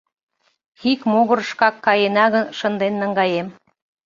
— Ик могырышкак каена гын, шынден наҥгаем.